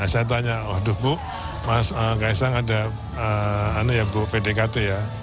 saya tanya aduh bu mas kaisang ada pdkt ya